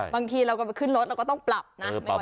บางทีเราก็ไปขึ้นรถเราก็ต้องปรับนะ